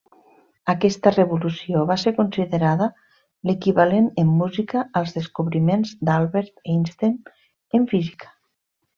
Aquesta revolució va ser considerada l'equivalent en música als descobriments d'Albert Einstein en Física.